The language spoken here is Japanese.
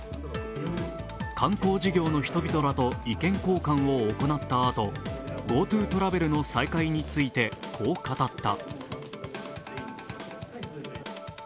観光事業の人々らと意見交換を行ったあと、ＧｏＴｏトラベルの再開について、こう語った。